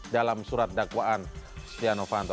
dalam surat dakwaan stiano fanto